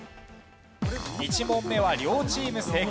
１問目は両チーム正解。